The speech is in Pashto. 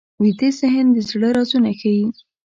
ویده ذهن د زړه رازونه ښيي